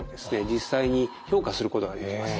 実際に評価することができます。